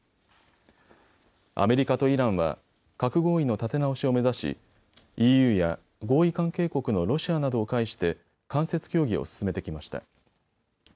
アメリカとイランは核合意の立て直しを目指しＥＵや合意関係国のロシアなどを介して間接協議を進めてきました。